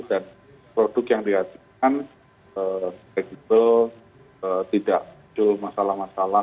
dan produk yang dihasilkan begitu tidak muncul masalah masalah